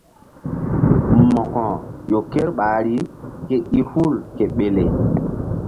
Mo̧ko ƴo ker ɓahri ke i hu ke ɓele.